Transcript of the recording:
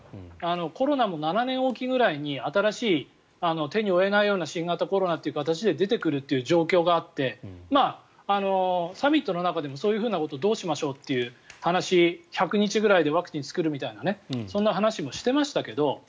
コロナも７年おきぐらいに新しい、手に負えないような新型コロナという形で出てくるという状況があってサミットの中でもそういうことをどうしましょうっていう話１００日ぐらいでワクチンを作るみたいなそんな話もしていましたけど